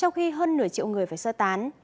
trong khi hơn nửa triệu người phải sơ tán